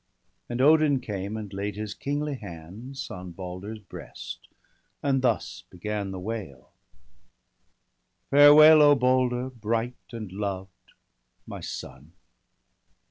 And Odin came, and laid his kingly hands 1 68 BALDER DEAD. On Balder's breast, and thus began the wail: — 'Farewell, O Balder, bright and loved, my son!